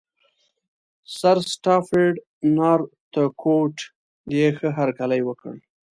سرسټافرډ نارتکوټ یې ښه هرکلی وکړ.